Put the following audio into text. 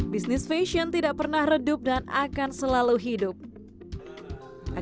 dia masuk jadi functional omdat memang seperti nama merupakan konten yang lacucar